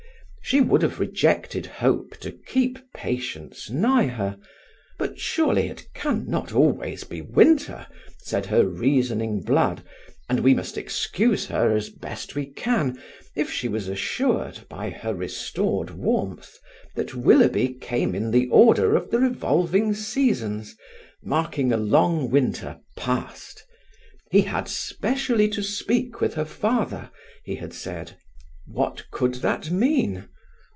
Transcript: She would have rejected hope to keep patience nigh her; but surely it can not always be Winter! said her reasoning blood, and we must excuse her as best we can if she was assured, by her restored warmth that Willoughby came in the order of the revolving seasons, marking a long Winter past. He had specially to speak with her father, he had said. What could that mean?